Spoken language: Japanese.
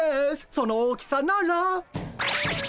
その大きさなら。